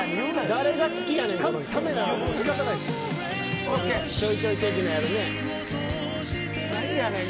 誰が好きやねん